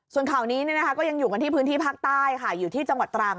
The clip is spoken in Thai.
ส่วนข่าวนี้ก็ยังอยู่กันที่พื้นที่ภาคใต้ค่ะอยู่ที่จังหวัดตรัง